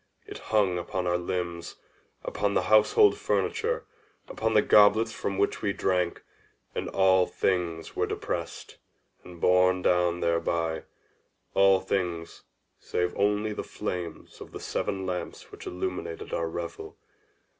It hung upon our limbs—upon the household furniture—upon the goblets from which we drank; and all things were depressed, and borne down thereby—all things save only the flames of the seven lamps which illumined our revel.